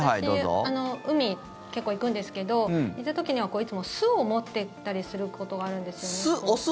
私、海結構行くんですけど行く時には、いつも酢を持っていったりすることがあるんですよね。